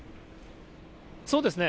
そうですね。